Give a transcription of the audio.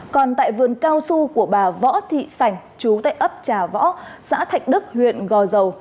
còn tại vườn cao su của bà võ thị sảnh chú tại ấp trà võ xã thạnh đức huyện gò dầu